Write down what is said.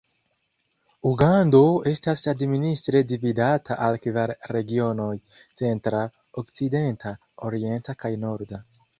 Ugando estas administre dividata al kvar regionoj: centra, okcidenta, orienta kaj norda.